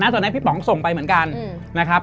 ตอนนั้นพี่ป๋องส่งไปเหมือนกันนะครับ